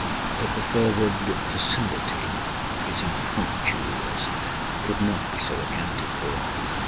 But the fervid facility of his impromptus could not be so accounted for.